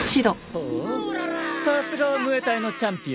ほうさすがはムエタイのチャンピオンだ。